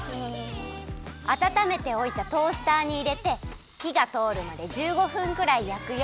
あたためておいたトースターにいれてひがとおるまで１５分くらいやくよ。